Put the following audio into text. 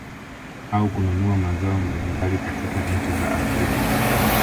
Au kununua mazao mbalimbali katika nchi za Afrika